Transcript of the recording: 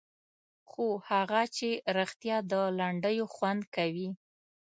خو هغه چې رښتیا د لنډیو خوند کوي.